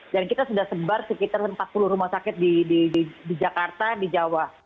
dan kita sudah sebar sekitar empat puluh rumah sakit di jakarta di jawa